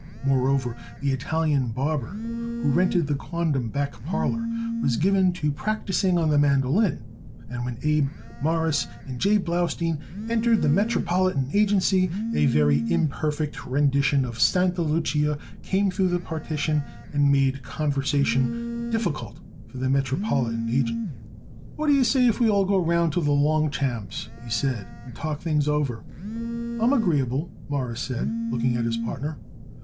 Moreover, the Italian barber who rented the quondam back parlor was given to practicing on the mandolin; and when Abe, Morris and J. Blaustein entered the Metropolitan Agency a very imperfect rendition of Santa Lucia came through the partition and made conversation difficult for the Metropolitan agent. "What d'ye say if we all go round to the Longchamps," he said, "and talk things over." "I'm agreeable," Morris said, looking at his partner.